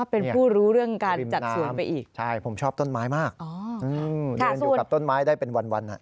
เป็นผู้รู้เรื่องการจัดสวนไปอีกใช่ผมชอบต้นไม้มากเดินอยู่กับต้นไม้ได้เป็นวันวัน